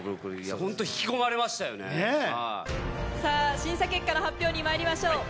審査結果の発表にまいりましょう。